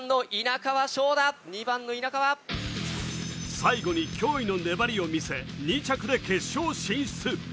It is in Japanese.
最後に驚異の粘りを見せ、２着で決勝進出。